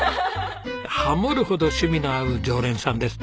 ハモるほど趣味の合う常連さんです。